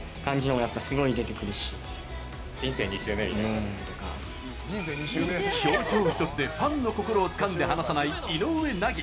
ファンの間でも表情一つでファンの心をつかんで離さない井上和。